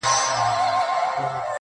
ټول ژوند د غُلامانو په رکم نیسې~